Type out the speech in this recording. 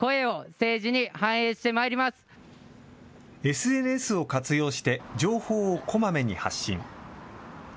ＳＮＳを活用して情報をこまめに発信。